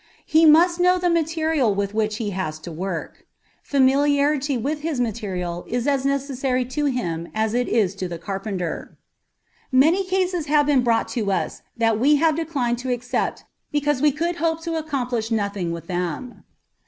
He must know the material with which he has to work; familiarity with his material is as necessary to him as it is to the carpenter. Many cases have been brought to us that we have declined to accept because we could hope to accomplish nothing with them.